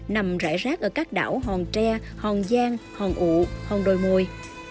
nằm rải rác ở các đảo hòn tre hòn giang hòn ụ hòn đôi môi